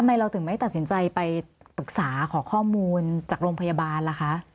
เราถึงไม่ตัดสินใจไปปรึกษาขอข้อมูลจากโรงพยาบาลล่ะคะ